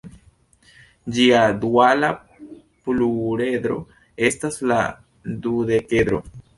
Ĝia duala pluredro estas la dudekedro.